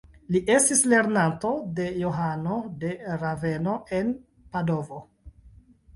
Li estis lernanto de Johano de Raveno, en Padovo.